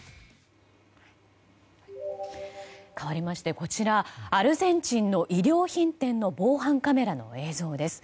かわりまして、こちらアルゼンチンの衣料品店の防犯カメラの映像です。